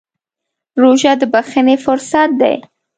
روژه د بښنې فرصت دی.